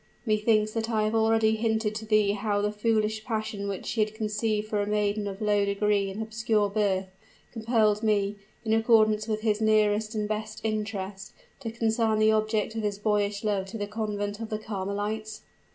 "Methinks that I have already hinted to thee how the foolish passion which he had conceived for a maiden of low degree and obscure birth, compelled me, in accordance with his nearest and best interest, to consign the object of his boyish love to the convent of the Carmelites?